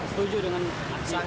itu bapak setuju dengan ini